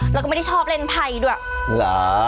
แล้วก็ไม่ได้ชอบเล่นไพ่ด้วยเหรอ